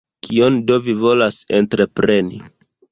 Kion do vi volas entrepreni?